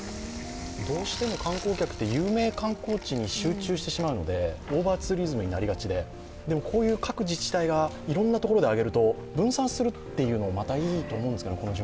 どうしても観光客って有名観光地に集中してしまうのでオーバーツーリズムになりがちででも、こういう各自治体がいろんなところで上げると、分散するっていうのがまたいいと思うんですけどね。